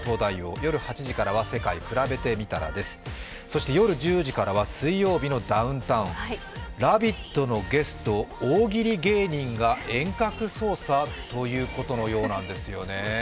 夜８時からは「世界くらべてみたら」、そして夜１０時からは「水曜日のダウンタウン」、「ラヴィット！」のゲスト、大喜利芸人が遠隔操作ということいなんですね。